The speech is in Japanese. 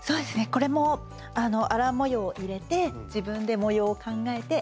これもアラン模様を入れて自分で模様を考えて編みました。